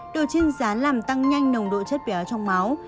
đồ chiên rán làm tăng nhanh nồng độ chất béo trong máu